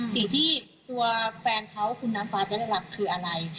สิ่งที่ตัวแฟนเขาคุณน้ำฟ้าจะได้รับคืออะไร